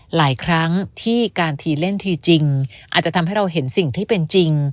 หลายครั้งที่การทีเล่นทีจริงอาจจะทำให้เราเห็นสิ่งที่เป็นจริง